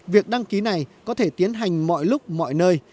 việc đăng ký này có thể tiến hành mọi lúc mọi nơi